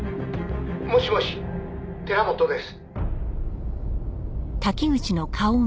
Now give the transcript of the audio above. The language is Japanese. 「もしもし寺本です」